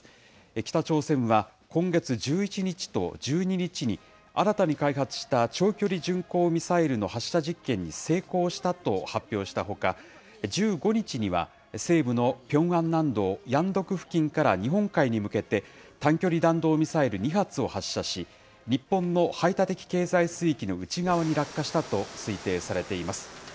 北朝鮮は、今月１１日と１２日に、新たに開発した長距離巡航ミサイルの発射実験に成功したと発表したほか、１５日には、西部のピョンアン南道ヤンドク付近から日本海に向けて、短距離弾道ミサイル２発を発射し、日本の排他的経済水域の内側に落下したと推定されています。